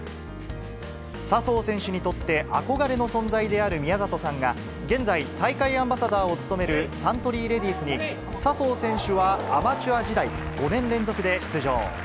笹生選手にとって、憧れの存在である宮里さんが、現在、大会アンバサダーを務めるサントリーレディスに、笹生選手はアマチュア時代、５年連続で出場。